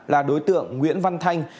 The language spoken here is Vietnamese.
là đối tượng nguyễn văn thanh